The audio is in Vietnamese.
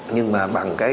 nhưng mà bằng cái